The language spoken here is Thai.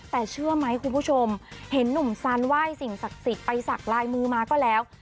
แต่เชื่อไหมคุณผู้ชมเห็นหนุ่มซันไหว้สิ่งศักดิ์สิทธิ์ไปสักลายมือมาก็แล้ว